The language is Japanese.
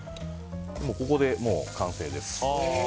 ここで完成です。